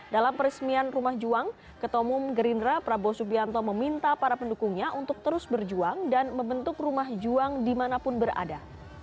dalam peresmian rumah juang ketumum gerindra prabowo subianto meminta para pendukungnya untuk terus berjuang dan membentuk rumah juang dimanapun berada